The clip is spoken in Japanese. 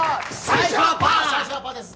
最初はパーです。